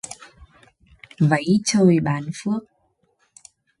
Váy trời ban phước